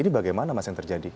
ini bagaimana mas yang terjadi